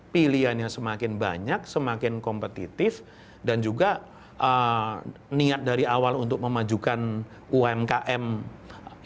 pilihannya semakin banyak semakin kompetitif dan juga niat dari awal untuk memajukan umkm